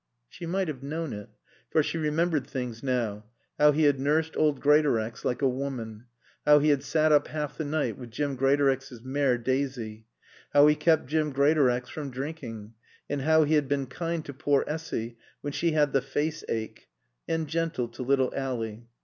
She might have known it. For she remembered things, now; how he had nursed old Greatorex like a woman; how he had sat up half the night with Jim Greatorex's mare Daisy; how he kept Jim Greatorex from drinking; and how he had been kind to poor Essy when she had the face ache; and gentle to little Ally.